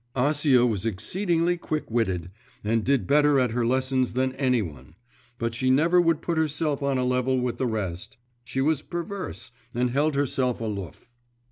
Acia was exceedingly quick witted, and did better at her lessons than any one; but she never would put herself on a level with the rest; she was perverse, and held herself aloof.